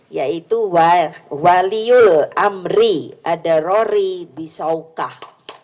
yaitu waliul amri adarori bisaukah